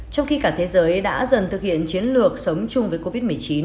trong khi cả thế giới đã dần thực hiện chiến lược sống chung với covid một mươi chín